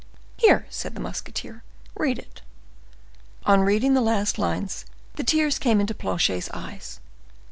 "Here," said the musketeer, "read it." On reading the last lines the tears came into Planchet's eyes.